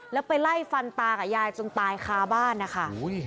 แล้วไปไล่ฟันตากับยายจนตายคาบ้านนะคะ